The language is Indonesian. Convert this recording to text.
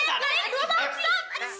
siap siap siap